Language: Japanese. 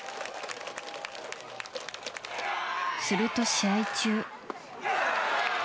すると試合中。